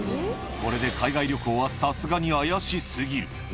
これで海外旅行はさすがに怪しすぎる。